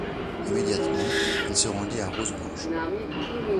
Immédiatement, il se rendit à Roseblanche.